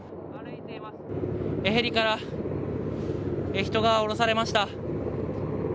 ヘリから人がおろされました。